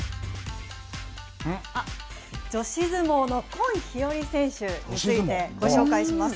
女子相撲の今日和選手についてご紹介します。